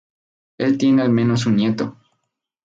Él tiene al menos un nieto.